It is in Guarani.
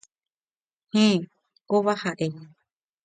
Héẽ, kóva ha'e